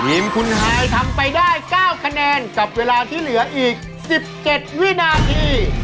ทีมคุณฮายทำไปได้๙คะแนนกับเวลาที่เหลืออีก๑๗วินาที